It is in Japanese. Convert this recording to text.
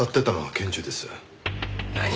何！？